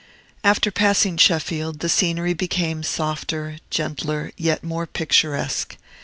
After passing Sheffield, the scenery became softer, gentler, yet more picturesque.